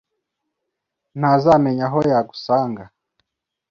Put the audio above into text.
ntazamenya aho yagusanga.